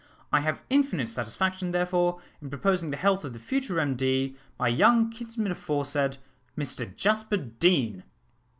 I have infinite satisfaction, therefore, in proposing the health of the future MD, my young kinsman aforesaid, Mr Jasper Deane."